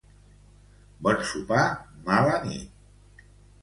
Bon sopar, mala nit.